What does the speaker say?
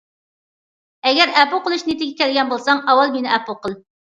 ئەگەر ئەپۇ قىلىش نىيىتىگە كەلگەن بولساڭ ئاۋۋال مېنى ئەپۇ قىل.